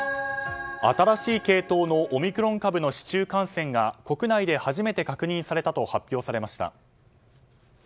新しい系統のオミクロン株の市中感染が国内で初めて確認されたと発表されました。